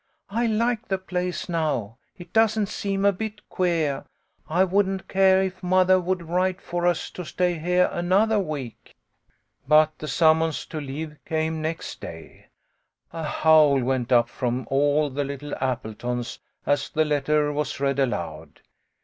I like the place now, it doesn't seem a bit queah. I wouldn't care if mothah would write for us to stay heah anothah week." But the summons to leave came next day. A 117 Il8 TllF. LITTLE COLONEL'S HOLIDAYS. howl went up from all the little Appletons as the letter was read aloud.